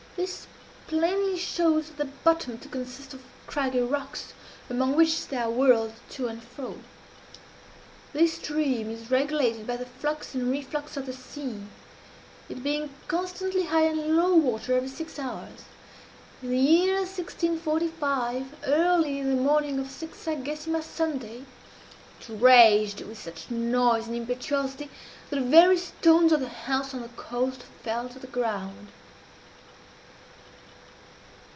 This plainly shows the bottom to consist of craggy rocks, among which they are whirled to and fro. This stream is regulated by the flux and reflux of the sea it being constantly high and low water every six hours. In the year 1645, early in the morning of Sexagesima Sunday, it raged with such noise and impetuosity that the very stones of the houses on the coast fell to the ground."